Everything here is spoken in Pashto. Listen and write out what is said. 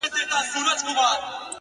د پښتنو ماحول دی دلته تهمتوته ډېر دي؛